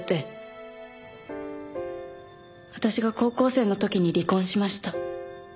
私が高校生の時に離婚しました。